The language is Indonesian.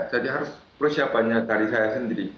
jadi harus persiapannya dari saya sendiri